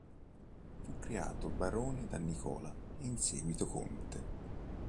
Fu creato barone da Nicola, e in seguito conte.